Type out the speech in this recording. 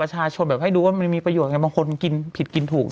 ให้ดูว่ามันมีประโยชน์ไงบางคนกินผิดกินถูก